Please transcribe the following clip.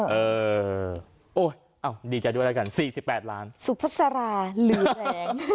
เออเออโอ้ยอ้าวดีใจด้วยแล้วกัน๔๘ล้านสุภาษาราหรือแหลง